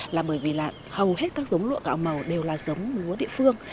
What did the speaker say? là bởi vì hầu hết các giống lúa gạo màu đều là giống lúa địa phương